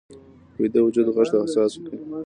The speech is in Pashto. ویده وجود غږ ته حساس وي